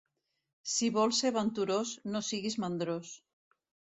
Si vols ser venturós, no siguis mandrós.